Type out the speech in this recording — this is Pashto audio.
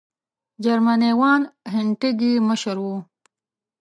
جرمنی وان هینټیګ یې مشر وو.